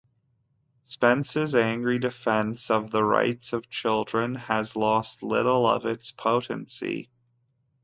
Spence's angry defence of the rights of children has lost little of its potency.